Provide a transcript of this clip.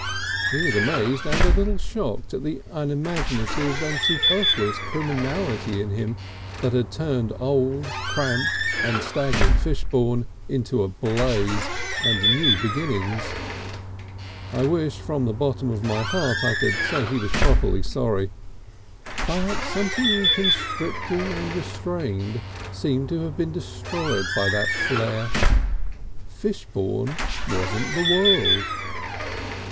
He was amazed and a little shocked at the unimaginative and superfluous criminality in him that had turned old cramped and stagnant Fishbourne into a blaze and new beginnings. (I wish from the bottom of my heart I could add that he was properly sorry.) But something constricting and restrained seemed to have been destroyed by that flare. Fishbourne wasn't the world.